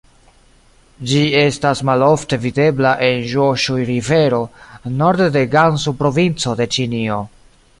Ĝi estas malofte videbla en Ĵŭoŝuj-rivero norde de Gansu-provinco de Ĉinio.